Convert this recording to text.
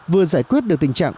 vừa giải quyết được tình trạng